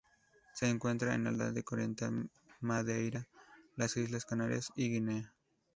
Se encuentra en el Atlántico oriental: Madeira las Islas Canarias y Guinea.